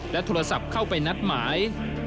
โทรศัพท์เข้าไปนัดหมาย